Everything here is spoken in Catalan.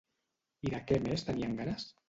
I de què més tenien ganes?